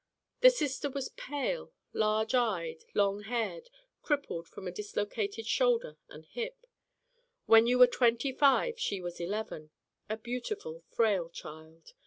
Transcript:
The sister was pale, large eyed, long haired, crippled from a dislocated shoulder and hip. When you were twenty five she was eleven, a beautiful frail child.